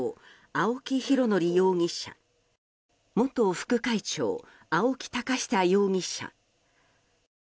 青木拡憲容疑者元副会長、青木寶久容疑者